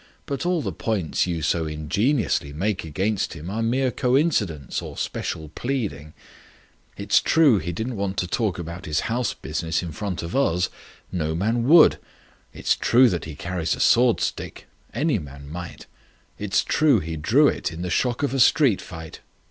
But all the points you so ingeniously make against him are mere coincidence or special pleading. It's true he didn't want to talk about his house business in front of us. No man would. It's true that he carries a sword stick. Any man might. It's true he drew it in the shock of a street fight.